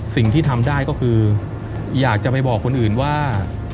สิ่งที่ทำได้ก็คืออยากจะไปบอกคนอื่นว่า